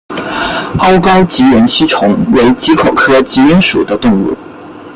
凹睾棘缘吸虫为棘口科棘缘属的动物。